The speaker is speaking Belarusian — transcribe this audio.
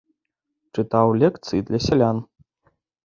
Чытаў лекцыі для сялян.